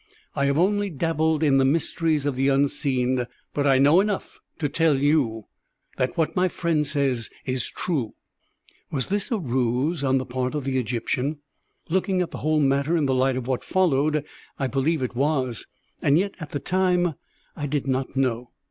I have only dabbled in the mysteries of the unseen, but I know enough to tell you that what my friend says is true." Was this a ruse on the part of the Egyptian? Looking at the whole matter in the light of what followed I believe it was. And yet at the time I did not know.